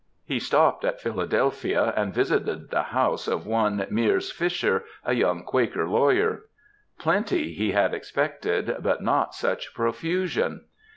He stopped at Philadelphia, and visited the house of one Miers Fisher, a young Quaker lawyer. Plenty he had expected, but not such profusion.